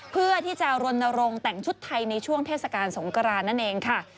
เพื่อที่จะรณรงค์แต่งชุดไทยในช่วงเทศกาลสงกรานนั่นเองค่ะ